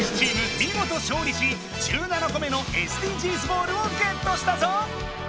みごと勝利し１７個目のＳＤＧｓボールをゲットしたぞ。